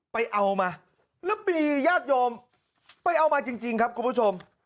ไปเอามาแล้วมีญาติโยมไปเอามาจริงครับคุณผู้ชม